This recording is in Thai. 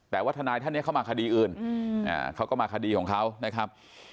แต่ว่าทนายท่านนี้เข้ามาคดีอื่นเขาก็มาคดีของเขานะครับ